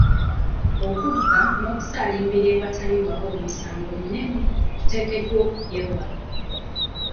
Okubba, n'okusaalimbira awatali wuwo misango minene, tuteekeddwa okubyewala.